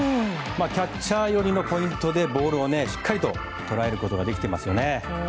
キャッチャー寄りのポイントでボールをしっかりと捉えることができてますよね。